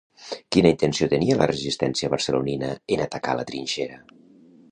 Quina intenció tenia la resistència barcelonina en atacar la trinxera?